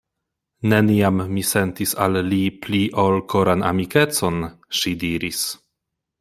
Neniam mi sentis al li pli ol koran amikecon, ŝi diris.